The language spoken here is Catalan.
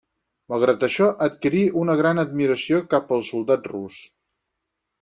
Malgrat això, adquirí una gran admiració cap al soldat rus.